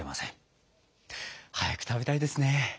早く食べたいですね。